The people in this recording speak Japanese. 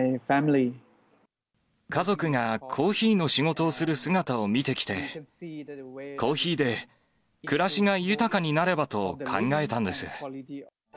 家族がコーヒーの仕事をする姿を見てきて、コーヒーで暮らしが豊かになればと考えたんです。